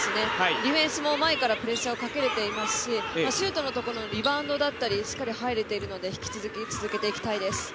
ディフェンスも前からプレッシャーをかけれていますしシュートのところのリバウンドだったりしっかりは入れているので、引き続き続けていきたいです。